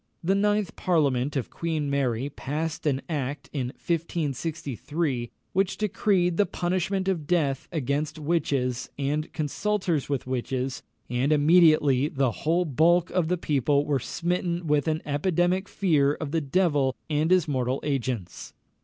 The ninth parliament of Queen Mary passed an act in 1563, which decreed the punishment of death against witches and consulters with witches, and immediately the whole bulk of the people were smitten with an epidemic fear of the devil and his mortal agents.